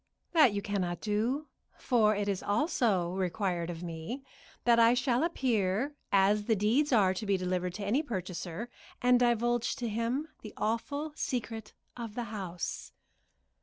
"That you cannot do, for it is also required of me that I shall appear as the deeds are to be delivered to any purchaser, and divulge to him the awful secret of the house."